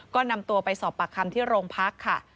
ก็นำตัวไปสอบปากคำที่โรงพักค่ะ